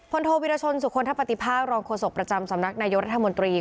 โทวิรชนสุคลทปฏิภาครองโฆษกประจำสำนักนายกรัฐมนตรี